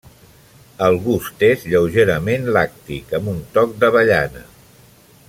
El gust és de lleugerament làctic, amb un toc d'avellana.